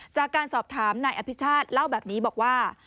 จากการสอบถามนายอภิชาติเล่าแบบนี้บอกว่า